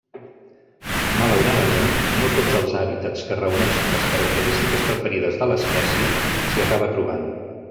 Malauradament no tots els hàbitats que reuneixen les característiques preferides de l'espècie s'hi acaba trobant.